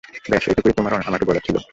ব্যাস, এইটুকুই তোমার আমাকে বলার ছিল?